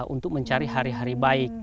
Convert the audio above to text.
untuk mencari hari hari baik